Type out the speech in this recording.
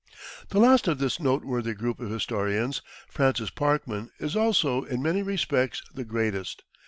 The last of this noteworthy group of historians, Francis Parkman, is also, in many respects, the greatest.